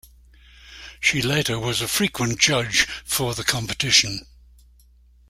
She later was a frequent Judge for the competition.